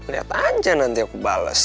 lihat aja nanti aku bales